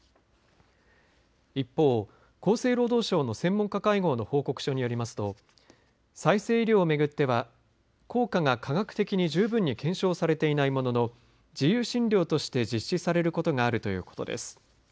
一方、厚生労働省の専門家会合の報告書によりますと再生医療を巡っては効果が科学的に十分に検証されていないものの自由診療として実施されることがあるということです。